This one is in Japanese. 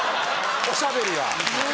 おしゃべりが。